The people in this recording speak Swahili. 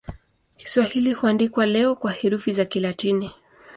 Kiswahili huandikwa leo kwa herufi za Kilatini.